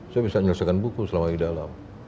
saya bisa menyelesaikan buku selama di dalam